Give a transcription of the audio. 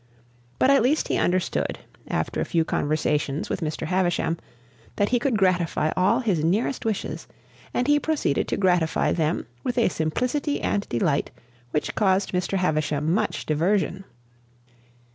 But at least he understood, after a few conversations with Mr. Havisham, that he could gratify all his nearest wishes, and he proceeded to gratify them with a simplicity and delight which caused Mr. Havisham much diversion.